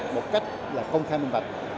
một cách là công khai minh bạch